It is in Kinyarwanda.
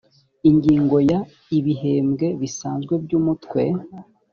ingingo ya ibihembwe bisanzwe by umutwe